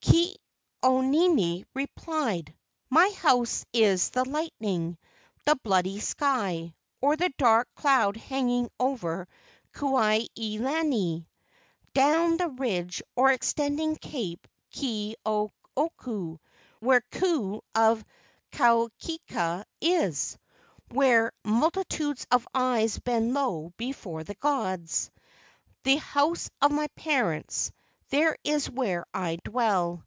Ke au nini replied: "My house is the lightning, the bloody sky, or the dark cloud hanging over Kuai he lani, down the ridge or extending cape Ke au oku, where Ku of Kauhika is, where mul¬ titudes of eyes bend low before the gods. The house of my parents—there is where I dwell.